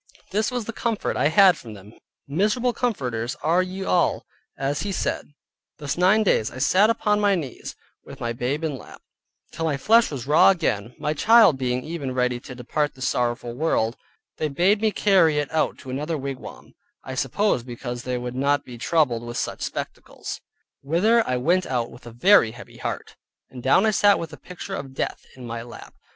This was the comfort I had from them, miserable comforters are ye all, as he said. Thus nine days I sat upon my knees, with my babe in my lap, till my flesh was raw again; my child being even ready to depart this sorrowful world, they bade me carry it out to another wigwam (I suppose because they would not be troubled with such spectacles) whither I went with a very heavy heart, and down I sat with the picture of death in my lap.